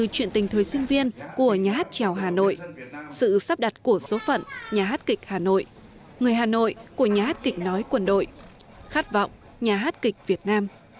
chuyện tình thời sinh viên của nhà hát trèo hà nội sự sắp đặt của số phận nhà hát kịch hà nội người hà nội của nhà hát kịch nói quân đội khát vọng nhà hát kịch việt nam